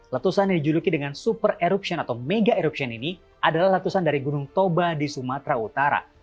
letusan yang dijuluki dengan super eruption atau mega eruption ini adalah letusan dari gunung toba di sumatera utara